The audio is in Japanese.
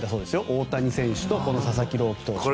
大谷選手と佐々木朗希投手。